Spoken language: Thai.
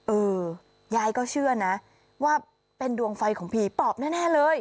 เออยายก็เชื่อนะว่าเป็นดวงไฟของผีปอบแน่เลย